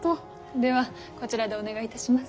ではこちらでお願いいたします。